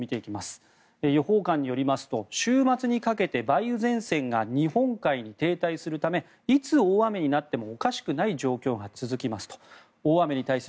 予報官によりますと週末にかけて梅雨前線が日本海に停滞するためいつ大雨になってもおかしくない状況が続きます。